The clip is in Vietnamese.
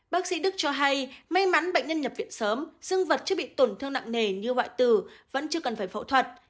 bác sĩ đức cho hay may mắn bệnh nhân nhập viện sớm dương vật chưa bị tổn thương nặng nề như hoại tử vẫn chưa cần phải phẫu thuật